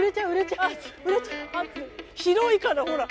広いからほら。